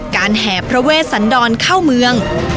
การแห่พระเวสันดอนเข้ามือ